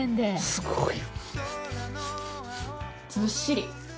「すごい」ずっしり。